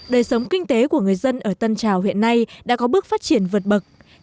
đời sống kinh tế của người dân ở tân trào hiện nay đã có bước phát triển vượt bậc